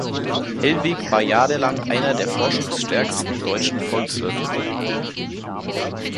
Hellwig war jahrelang einer der forschungsstärksten deutschen Volkswirte.